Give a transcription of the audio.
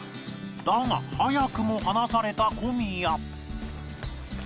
だが早くも離された小宮